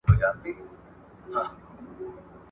چاپیریال ساتنه د انسان د ژوند ساتنه ده.